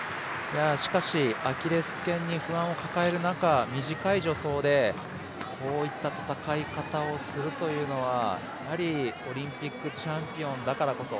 しかしアキレスけんに不安を抱える中短い助走で、こういった戦い方をするというのはやはり、オリンピックチャンピオンだからこそ。